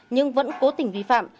nhưng vẫn cố tình vi phạm